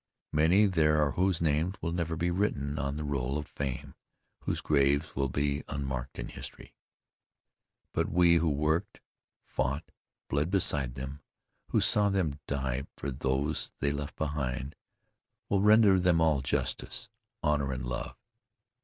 Many there are whose names will never be written on the roll of fame, whose graves will be unmarked in history. But we who worked, fought, bled beside them, who saw them die for those they left behind, will render them all justice, honor and love.